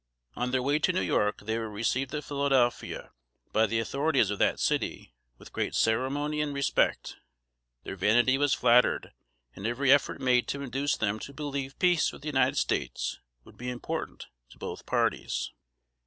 On their way to New York, they were received at Philadelphia, by the authorities of that city, with great ceremony and respect. Their vanity was flattered, and every effort made to induce them to believe peace with the United States would be important to both parties.